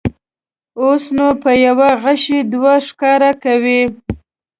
اوس نو په یوه غیشي دوه ښکاره کوو.